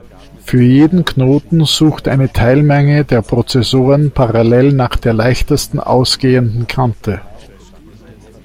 Für jeden Knoten sucht eine Teilmenge der Prozessoren parallel nach der leichtesten ausgehenden Kante.